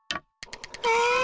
え！